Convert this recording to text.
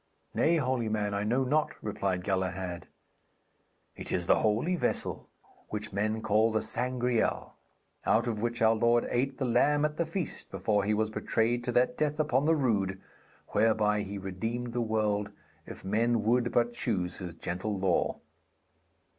'Nay, holy man, I know not,' replied Galahad. 'It is the holy vessel which men call the Sangreal, out of which our Lord ate the lamb at the feast before He was betrayed to that death upon the rood whereby He redeemed the world, if men would but choose His gentle law.'